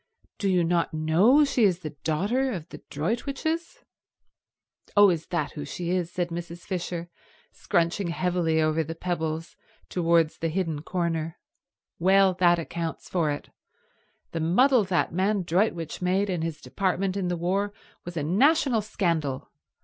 Do you not know she is the daughter of the Droitwiches?" "Oh, is that who she is," said Mrs. Fisher, scrunching heavily over the pebbles towards the hidden corner. "Well, that accounts for it. The muddle that man Droitwich made in his department in the war was a national scandal.